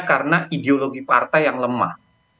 karena ideologi partai yang lemah